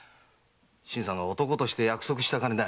新さんが男として約束した金だ。